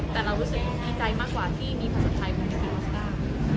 แต่เรารู้สึกดีใจมากกว่าที่มีภาษาไทยกรุงคลิกบริกัสการ์